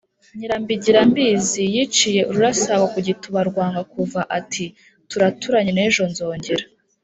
nyirambigirambizi yiciye ururasago ku gituba rwanga kuva ati: turaturanye n’ejonzongera.